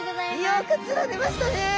よく釣られましたね！